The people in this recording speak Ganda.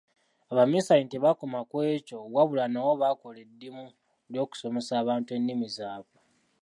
Abaminsani tebaakoma ku ekyo wabula nabo baakola eddimu ly’okusomesa abantu ennimi zaabwe.